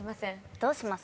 どうします？